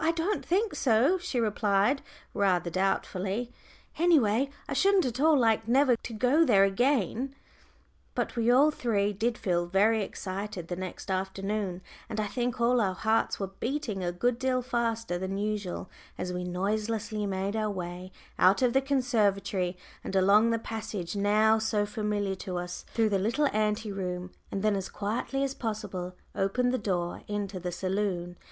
I don't think so," she replied, rather doubtfully. "Any way, I shouldn't at all like never to go there again." But we all three did feel very excited the next afternoon, and I think all our hearts were beating a good deal faster than usual as we noiselessly made our way out of the conservatory and along the passage now so familiar to us, through the little anteroom, and then, as quietly as possible, opened the door into the saloon.